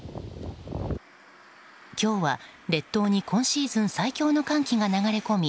今日は列島に今シーズン最強の寒気が流れ込み